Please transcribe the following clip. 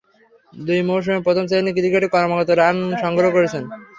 দুই মৌসুমে প্রথম-শ্রেণীর ক্রিকেটে ক্রমাগত রান সংগ্রহ করেছেন।